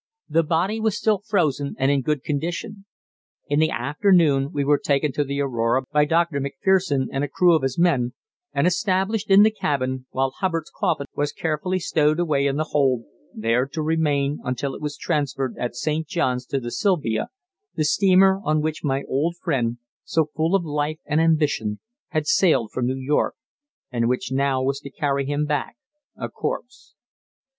The body was still frozen and in good condition. In the afternoon we were taken to the Aurora by Dr. Macpherson and a crew of his men, and established in the cabin, while Hubbard's coffin was carefully stowed away in the hold, there to remain until it was transferred at St. Johns to the Silvia, the steamer on which my old friend, so full of life and ambition, had sailed from New York, and which now was to carry him back a corpse.